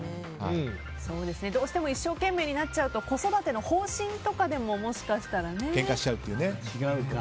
どうしても一生懸命になっちゃうと子育ての方針とかでももしかしたらね。